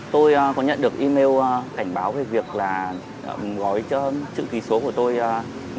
tôi có nhận được email cảnh báo về việc là gói cho chữ ký số của tôi nếu mà không gia hạn